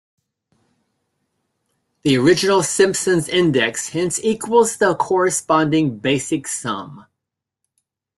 The original Simpson's index hence equals the corresponding basic sum.